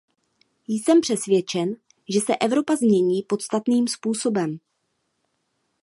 Jsem přesvědčen, že se Evropa změní podstatným způsobem.